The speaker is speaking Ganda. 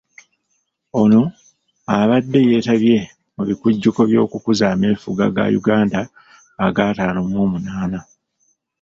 Ono abadde yeetabye mu bikujjuko by'okukuza ameefuga ga Uganda aga ataano mw'omunaana.